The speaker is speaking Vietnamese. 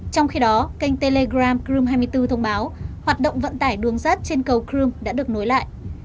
trong khi đó kênh telegram krum hai mươi bốn thông báo hoạt động vận tải đường sắt trên cầu crimea đã được nối lại